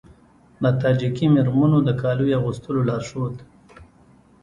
د تاجیکي میرمنو د کالیو اغوستلو لارښود